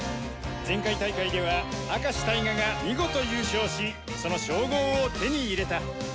前回大会では明石タイガが見事優勝しその称号を手に入れた。